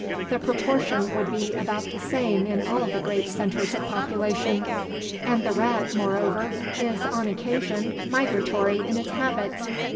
The proportion would be about the same in all the great centers of population; and the rat, moreover, is, on occasion, migratory in its habits.